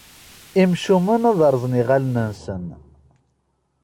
Imcumen ad rrẓen yiɣallen-nsen.